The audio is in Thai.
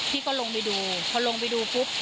พี่ก็ลงไปดูพอลงไปดูปุ๊บ